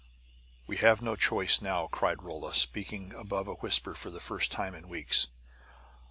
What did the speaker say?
"We have no choice now!" cried Rolla, speaking above a whisper for the first time in weeks.